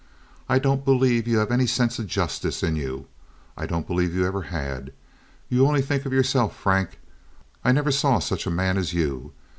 I don't believe you have any sense of justice in you. I don't believe you ever had. You only think of yourself, Frank. I never saw such a man as you.